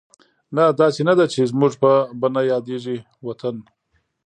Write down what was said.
نه، داسې نه ده چې زموږ به نه یادېږي وطن